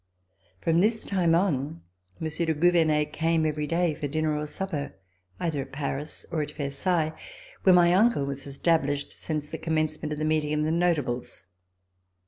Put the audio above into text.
From this time on. Monsieur de Gouvernet came C40] THE MARRIAGE PRELIMINARIES every day for dinner or supper, either at Paris or at Versailles, where my uncle was established since the commencement of the meeting of the Notables.